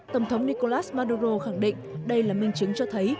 tổng thống nicolas maduro khẳng định đây là minh chứng cho thấy